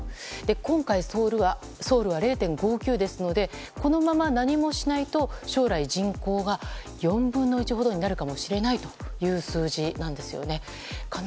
今回ソウルは０．５９ですのでこのまま何もしないと将来、人口が４分の１ほどになるかもしれないという数字なんですよね。